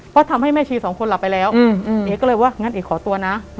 เพราะทำให้แม่ชีสองคนหลับไปแล้ว